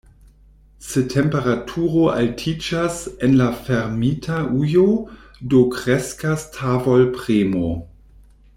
Se temperaturo altiĝas en la fermita ujo, do kreskas tavolpremo.